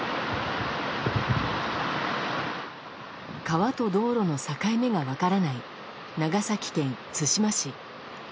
川と道路の境目が分からない長崎県対馬市。